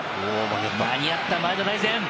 間に合った、前田大然。